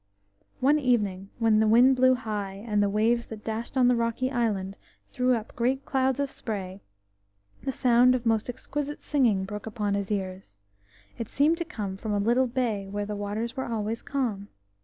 One evening, when the wind blew high, and the waves that dashed on the rocky island threw up great clouds of spray, the sound of most exquisite singing broke upon his ears; it seemed to come from a little bay where the waters were always calm.